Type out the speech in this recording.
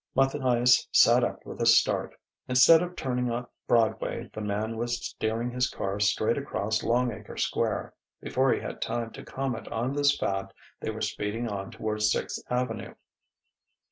Matthias sat up with a start. Instead of turning up Broadway the man was steering his car straight across Longacre Square. Before he had time to comment on this fact they were speeding on toward Sixth Avenue.